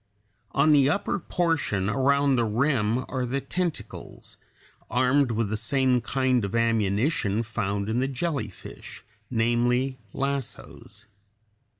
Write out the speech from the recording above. ] On the upper portion around the rim are the tentacles, armed with the same kind of ammunition (Fig. 30) found in the jellyfish, namely, lassos.